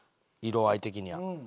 色合い的には。